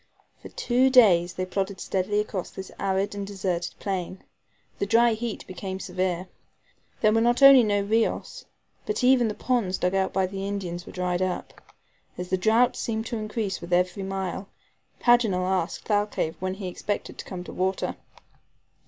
For two days they plodded steadily across this arid and deserted plain. The dry heat became severe. There were not only no RIOS, but even the ponds dug out by the Indians were dried up. As the drought seemed to increase with every mile, Paganel asked Thalcave when he expected to come to water.